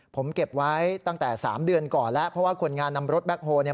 ผมเก็บไว้ตั้งแต่สามเดือนก่อนแล้วเพราะว่าคนงานนำรถแบ็คโฮลเนี่ย